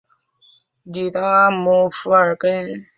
里登阿姆福尔根塞是德国巴伐利亚州的一个市镇。